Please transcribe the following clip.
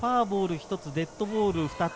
１つ、デッドボール２つ。